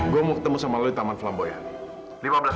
gue mau ketemu sama lo di taman flamboyant